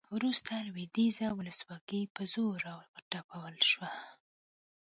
وروسته لویدیځه ولسواکي په زور راوتپل شوه